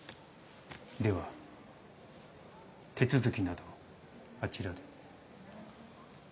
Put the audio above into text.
では手続きなどあちらで。